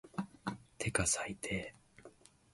てか最低